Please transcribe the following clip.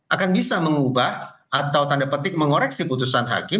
akan bisa mengubah atau tanda petik mengoreksi putusan hakim